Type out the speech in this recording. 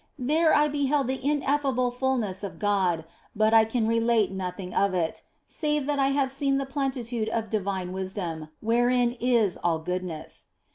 There I beheld the ineffable fulness of God ; but I can relate nothing of it, save that I have seen the plenitude of divine wisdom, wherein is all goodness.